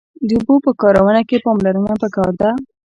د اوبو په کارونه کښی پاملرنه پکار ده